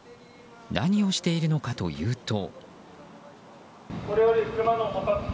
何をしているのかというと。